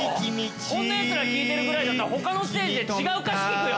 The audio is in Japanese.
こんなヤツら聴いてるくらいだったら他のステージで違う歌手聴くよ。